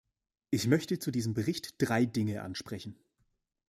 Ich möchte zu diesem Bericht drei Dinge ansprechen.